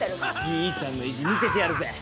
兄ちゃんの意地見せてやるぜ！